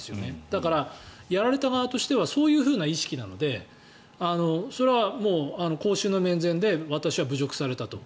だから、やられた側としてはそういうふうな意識なのでそれは公衆の面前で私は侮辱されたと。